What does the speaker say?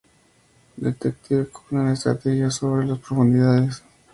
Detective Conan: Estrategia sobre las profundidades